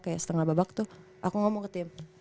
kayak setengah babak tuh aku ngomong ke tim